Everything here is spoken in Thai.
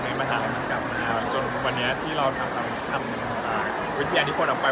ได้มาหามันกลับมาจนวันนี้ที่เราทำวิทยาที่ผลออกไป